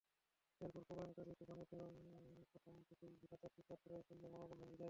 এরপর প্রলয়ংকরী তুফানের দরুন প্রথম থেকেই হীনতার শিকার কুরাইশ সৈন্যের মনোবল ভেঙ্গে যায়।